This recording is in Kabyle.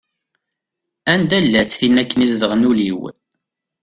Anda-llatt tin akken i izedɣen ul-iw?